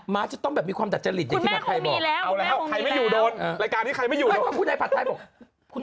ม้าจะต้องมีความดัดจัดฤทธิด